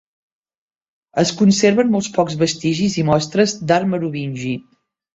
Es conserven molt pocs vestigis i mostres d'art merovingi.